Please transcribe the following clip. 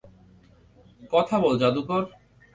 কথা বল, জাদুকর।